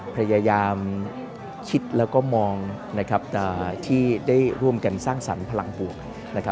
พยายามคิดแล้วก็มองที่ได้ร่วมกันสร้างสรรค์พลังบวก